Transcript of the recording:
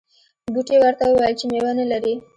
بوټي ورته وویل چې میوه نه لرې.